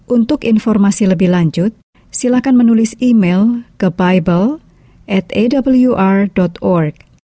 untuk informasi lebih lanjut silakan menulis email ke biable atawr org